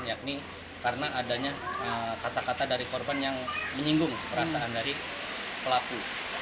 yakni karena adanya kata kata dari korban yang menyinggung perasaan dari pelaku